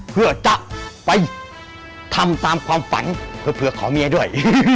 เพื่อจะไปทำตามความฝันเผื่อขอเมียด้วย